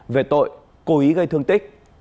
về tội cố ý gây thương tích